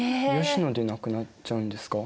吉野で亡くなっちゃうんですか？